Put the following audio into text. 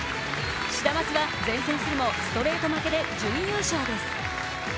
シダマツは善戦するもストレート負けで準優勝です。